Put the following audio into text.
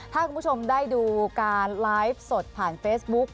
ถ้าคุณผู้ชมได้ดูการไลฟ์สดผ่านเฟซบุ๊ก